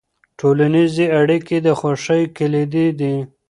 ټولنیزې اړیکې د خوښۍ کلیدي دي.